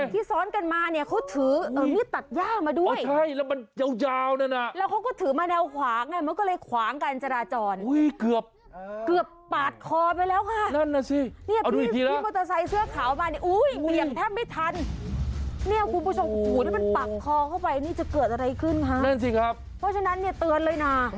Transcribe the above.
ที่ซ้อนกันมาเขาถือ